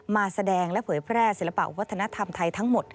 มาแสดงและเผยแพร่ศิลปะวัฒนธรรมไทยทั้งหมด